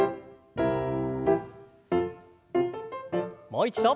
もう一度。